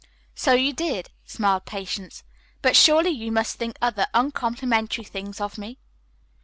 "So you did," smiled Patience, "but surely you must think other uncomplimentary things of me."